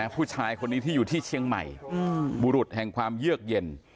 ผู้ชายคนนี้ที่อยู่ที่เชียงใหม่บุรุษแห่งความเยือกเย็น